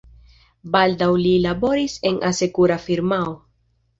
Baldaŭ li laboris en asekura firmao.